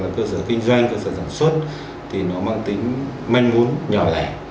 cơ sở kinh doanh cơ sở sản xuất thì nó mang tính manh mún nhỏ lẻ